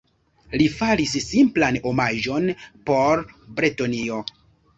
Li faris simplan omaĝon por Bretonio.